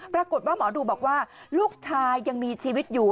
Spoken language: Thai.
ปรากฏว่าหมอดูบอกว่าลูกชายยังมีชีวิตอยู่